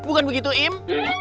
bukan begitu im